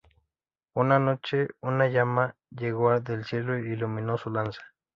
Una noche, una llama llegó del cielo e iluminó su lanza.